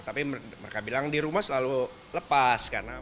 tapi mereka bilang di rumah selalu lepas